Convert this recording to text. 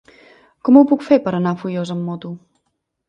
Com ho puc fer per anar a Foios amb moto?